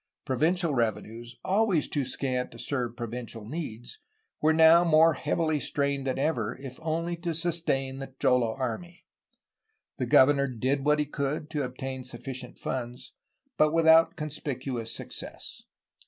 Provincial revenues, always too scant to serve provincial needs, were now more heavily strained than ever, if only to sustain the cholo army. The governor did what he could to obtain sufficient funds, but without conspicuous success.